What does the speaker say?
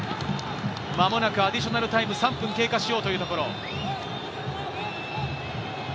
間もなくアディショナルタイム３分を経過しようというところ。